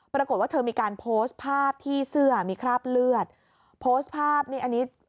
ปรากฏว่าเธอมีการโพสต์ภาพที่เสื้อมีคราบเลือดโพสต์ภาพนี่อันนี้